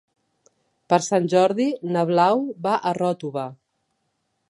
Per Sant Jordi na Blau va a Ròtova.